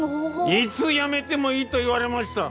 「いつ辞めてもいい」と言われました。